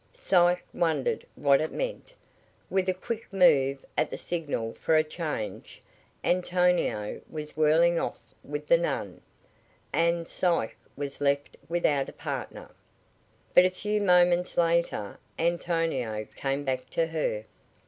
Psyche wondered what it meant. With a quick move, at the signal for a change, Antonio was whirling off with the nun, and Psyche was left without a partner. But a few moments later Antonio came back to her.